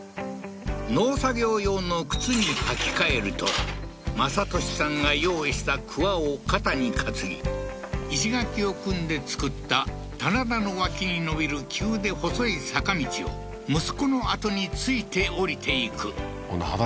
農作業用の靴に履き替えると政利さんが用意した鍬を肩に担ぎ石垣を組んで造った棚田の脇に延びる急で細い坂道を息子のあとについて下りていく今度畑？